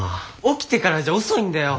起きてからじゃ遅いんだよ！